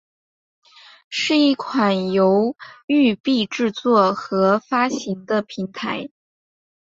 是一款由育碧制作和发行的平台游戏。